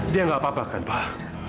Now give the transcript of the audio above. dia nggak apa apa kan pak